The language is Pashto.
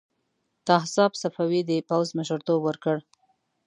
طاهاسپ صفوي د پوځ مشرتوب ورکړ.